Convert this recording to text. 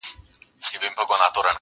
له بارانه دي ولاړ کړمه ناوې ته!.